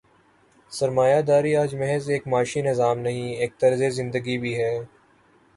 سرمایہ داری آج محض ایک معاشی نظام نہیں، ایک طرز زندگی بھی ہے۔